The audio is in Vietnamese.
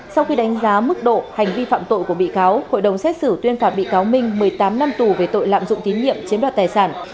sau khi đánh giá mức độ hành vi phạm tội của bị cáo hội đồng xét xử tuyên phạt bị cáo minh một mươi tám năm tù về tội lạm dụng tín nhiệm chiếm đoạt tài sản